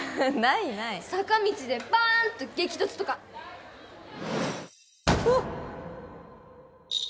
いない坂道でバーンと激突とかうわっ！